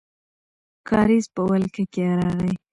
کارېز په ولکه کې راغی.